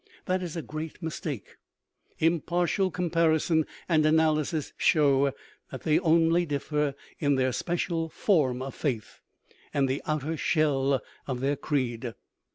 That is a great mistake. Impartial comparison and analysis show that they only differ in their special "form of faith" and the outer shell of their creed.